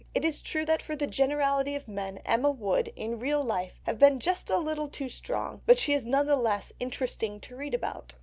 It is true that for the generality of men Emma would, in real life, have been just a little too strong, but she is none the less interesting to read about.